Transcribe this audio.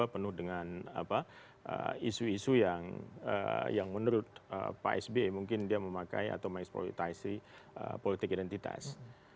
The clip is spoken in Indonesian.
penuh dengan isu isu yang menurut pak sb mungkin dia memakai atau mengeksploitasi politik identitas